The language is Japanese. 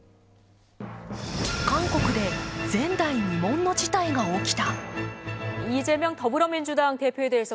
韓国で前代未聞の事態が起きた。